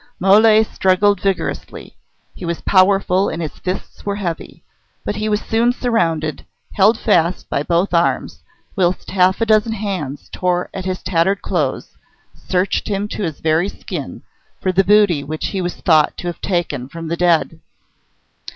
Mole struggled vigorously. He was powerful and his fists were heavy. But he was soon surrounded, held fast by both arms, whilst half a dozen hands tore at his tattered clothes, searched him to his very skin, for the booty which he was thought to have taken from the dead.